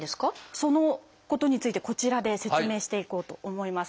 そのことについてこちらで説明していこうと思います。